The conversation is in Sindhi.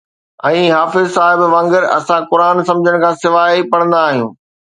۽ حافظ صاحب وانگر، اسان قرآن سمجھڻ کان سواءِ ئي پڙھندا آھيون